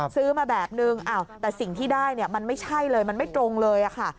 ซื้อมาแบบนึงแต่สิ่งที่ได้มันไม่ใช่เลยมันไม่ตรงเลยค่ะ